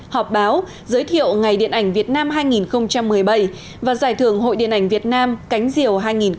họp báo giới thiệu ngày điện ảnh việt nam hai nghìn một mươi bảy và giải thưởng hội điện ảnh việt nam cánh diều hai nghìn một mươi tám